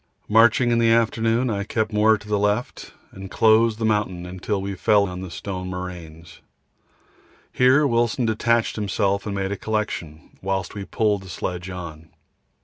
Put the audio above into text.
Marching in the afternoon, I kept more to the left, and closed the mountain till we fell on the stone moraines. Here Wilson detached himself and made a collection, whilst we pulled the sledge on.